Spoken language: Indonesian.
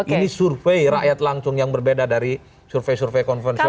ini survei rakyat langsung yang berbeda dari survei survei konvensional